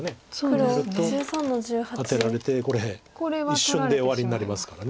こうやるとアテられてこれ一瞬で終わりになりますから。